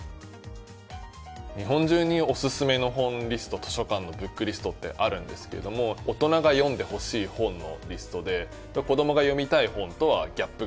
日本中におすすめの本リスト図書館のブックリストってあるんですけども大人が読んでほしい本のリストで子どもが読みたい本とはギャップがある。